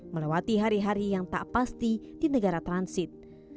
melewati hari hari yang tak pasti di negara transit